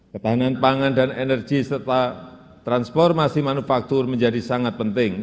ketahanan pangan dan energi serta transformasi manufaktur menjadi sangat penting